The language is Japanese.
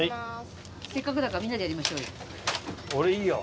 せっかくだからみんなでやりましょうよ。